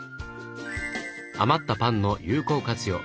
余ったパンの有効活用。